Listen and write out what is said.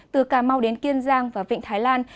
từ cà mau đến kiên giang và vịnh thái lan